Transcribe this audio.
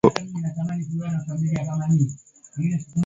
Petro I nchi ilishiriki katika siasa ya Ulaya pamoja na vita vingi vya huko